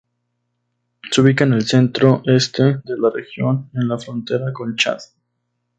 Se ubica en el centro-este de la región, en la frontera con Chad.